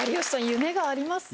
夢がありますね